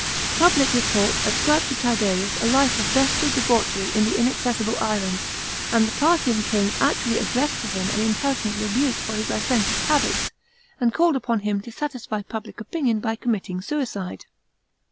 Public report ascnb'd to Tiberius a life of bestial debauchery in the inaccessible island, and the Parthian king actually ad Ires ted to him an impertinent re buke for his licentious habits, and called upon him to satisfy public opinion by committing suicide.